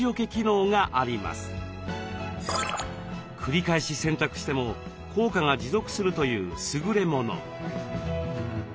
繰り返し洗濯しても効果が持続するというすぐれもの。